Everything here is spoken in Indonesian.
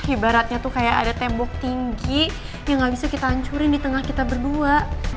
ibaratnya tuh kayak ada tembok tinggi yang gak bisa kita hancurin di tengah kita berdua